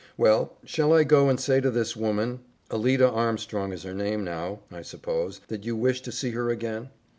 "Well, shall I go and say to this woman Alida Armstrong is her name now, I suppose that you wish to see her again?"